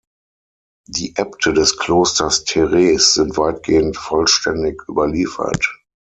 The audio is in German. Die Äbte des Klosters Theres sind weitgehend vollständig überliefert.